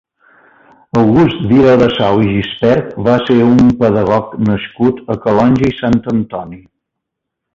August Viladesau i Gispert va ser un pedagog nascut a Calonge i Sant Antoni.